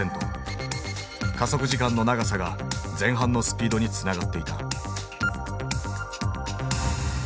加速時間の長さが前半のスピードにつながっていた。